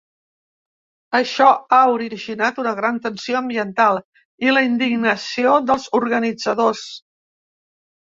Això ha originat una gran tensió ambiental i la indignació dels organitzadors.